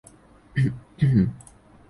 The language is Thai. แต่ยังรักเทเกลที่สุดนะ